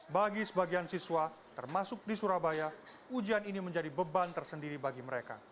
bagi sebagian siswa termasuk di surabaya ujian ini menjadi beban tersendiri bagi mereka